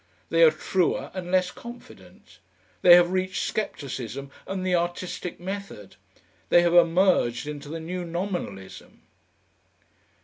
They are truer and less confident. They have reached scepticism and the artistic method. They have emerged into the new Nominalism.